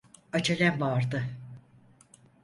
Acelem vardı.